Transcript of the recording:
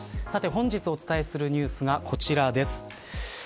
本日、お伝えするニュースがこちらです。